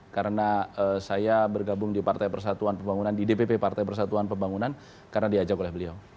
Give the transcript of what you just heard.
karena saya bergabung di partai persatuan pembangunan di dpp partai persatuan pembangunan karena diajak oleh beliau